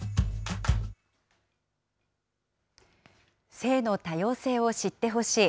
性の多様性を知ってほしい。